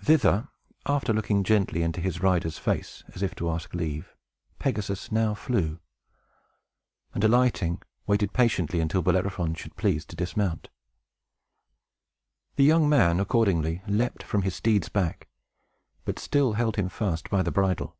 Thither (after looking gently into his rider's face, as if to ask leave) Pegasus now flew, and, alighting, waited patiently until Bellerophon should please to dismount. The young man, accordingly, leaped from his steed's back, but still held him fast by the bridle.